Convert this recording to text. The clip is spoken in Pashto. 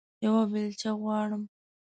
یوه بیلچه غواړم